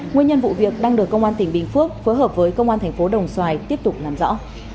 nguyên nhân vụ việc đang được công an tỉnh bình phước phối hợp với công an thành phố đồng xoài tiếp tục làm rõ